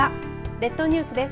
列島ニュースです。